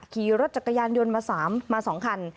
ขี่รถจักรยานยนต์มา๓มา๒คัน